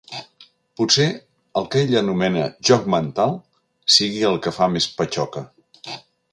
Potser el que ell anomena "joc mental" sigui el que fa més patxoca.